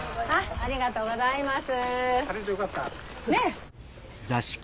ありがとうございます。